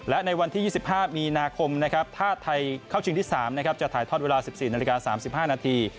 และในวันที่๒๕มีนาคมนะครับถ้าไทยเข้าชิงที่๓นะครับจะถ่ายทอดเวลา๑๔นาฬิกา๓๕นาที